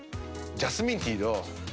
ジャスミンティー？